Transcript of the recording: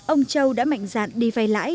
ông châu đã mạnh dạn đi vay lãi